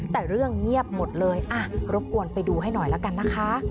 แต่เรื่องเงียบหมดเลยรบกวนไปดูให้หน่อยละกันนะคะ